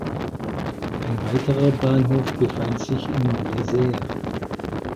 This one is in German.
Ein weiterer Bahnhof befand sich in Les Aires.